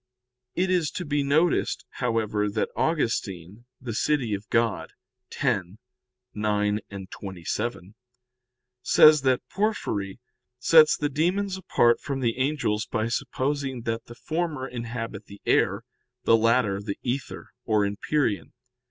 It is to be noticed, however, that Augustine (De Civ. Dei x, 9, 27) says that Porphyry sets the demons apart from the angels by supposing that the former inhabit the air, the latter the ether, or empyrean.